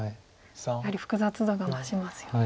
やはり複雑度が増しますよね。